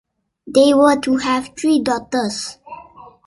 They were to have three daughters.